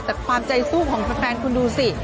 แต่ความใจสู้ของแฟนคุณดูสิ